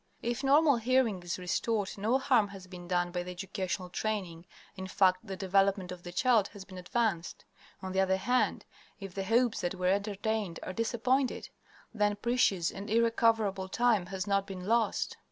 If normal hearing is restored no harm has been done by the educational training; in fact, the development of the child has been advanced. On the other hand, if the hopes that were entertained are disappointed, then precious and irrecoverable time has not been lost.